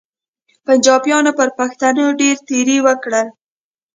پنچاپیانو پر پښتنو ډېر تېري وکړل.